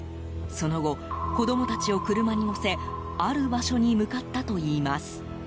その後、子供たちを車に乗せある場所に向かったといいます。